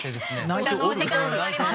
歌のお時間となります。